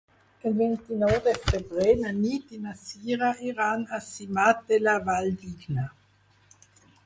El vint-i-nou de febrer na Nit i na Sira iran a Simat de la Valldigna.